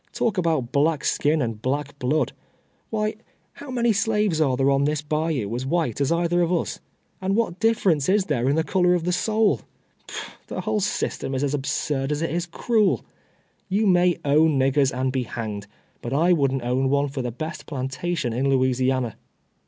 Talk about black skin, and black blood ; why, how many slaves are there on this bayou as white as either of us? And what dif ference is there in the color of the soul ? Pshaw ! the whole system is as absurd as it is cruel. You may own ni^irers and behan<rcd, but I wouldn't own one for the best plantation in Louisiana."